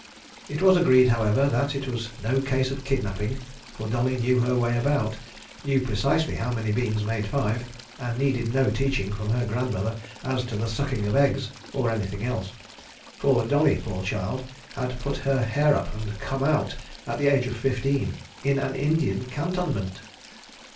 It was agreed, however, that it was no case of kidnapping, for Dolly knew her way about, knew precisely how many beans made five, and needed no teaching from her grandmother as to the sucking of eggs, or anything else. For Dolly, poor child, had put her hair up and "come out" at the age of fifteen—in an Indian cantonment!